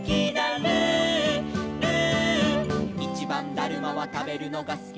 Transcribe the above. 「ルールー」「いちばんだるまはたべるのがすき」